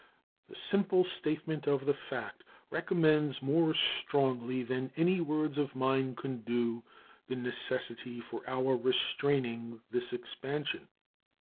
The simple statement of the fact recommends more strongly than any words of mine could do the necessity of our restraining this expansion.